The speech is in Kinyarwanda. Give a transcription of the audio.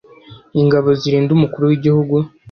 ingabo zirinda umukuru w'igihugu